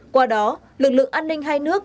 qua đó lực lượng an ninh hai nước